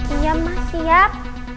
iya mas siap